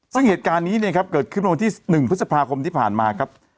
ซึ่งเหตุการณ์นี้เนี่ยครับเกิดขึ้นเมื่อวันที่๑พฤษภาคมที่ผ่านมาครับ